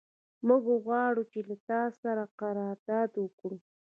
موږ غواړو چې له تا سره قرارداد وکړو.